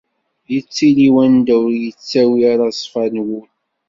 Yettili wanda ur d-yettawi ara ṣṣfa n wul.